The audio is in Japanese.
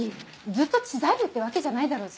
ずっと知財部ってわけじゃないだろうし。